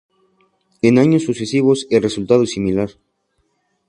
En años sucesivos el resultado es similar.